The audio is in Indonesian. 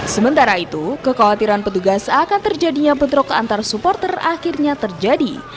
sementara itu kekhawatiran petugas akan terjadinya bentrok antar supporter akhirnya terjadi